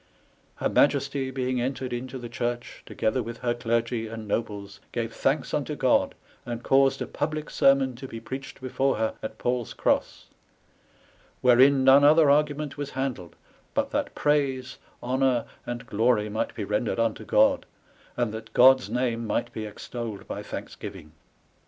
Her Maiesty being entered into the church, together with her Glergy and Nobles, gave thanks unto God, and caused a publike Sermon to be preached before her at Pauls Grosse ; wherein none other argument was handled, but that praise, honour, and glory might be rendered unto God; and that God's name might be extolled by thanksgiving.